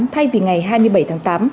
thay vì ngày hai mươi bảy tháng tám